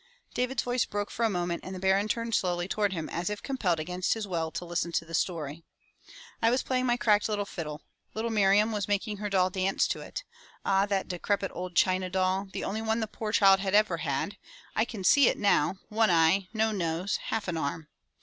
'' David's voice broke for a moment and the Baron turned slowly toward him as if compelled against his will to listen to his story. "I was playing my cracked little fiddle. Little Miriam was making her doll dance to it. Ah, that decrepit old China doll, the only one the poor child had ever had — I can see it now — one eye, no nose, half an arm.